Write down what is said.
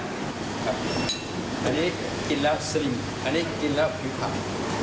อันนี้กินแล้วสลิงอันนี้กินแล้วผิวผัก